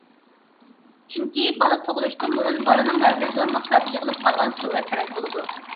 چۈنكى بالا تۇغۇلۇشتىن بۇرۇن بالىنىڭ بەدىنىدە زور مىقداردا يىغىلىپ قالغان سۇ ۋە تەرەت بولىدۇ.